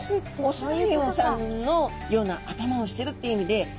雄ライオンさんのような頭をしてるっていう意味で。